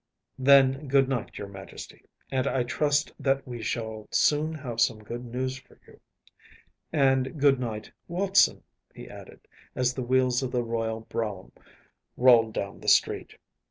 ‚ÄĚ “Then, good night, your Majesty, and I trust that we shall soon have some good news for you. And good night, Watson,‚ÄĚ he added, as the wheels of the royal brougham rolled down the street.